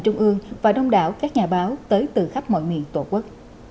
trung ương và đông đảo các nhà báo tới từ khắp mọi miền tổ quốc